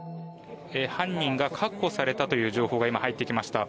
犯人が確保されたという情報が今、入ってきました。